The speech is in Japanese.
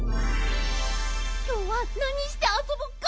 きょうはなにしてあそぼうか？